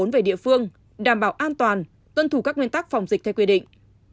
về địa phương đảm bảo an toàn tuân thủ các nguyên tắc phòng dịch theo quy định